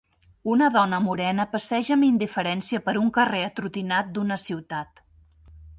Una dona morena passeja amb indiferència per un carrer atrotinat d'una ciutat